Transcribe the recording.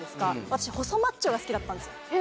私細マッチョが好きだったんですよ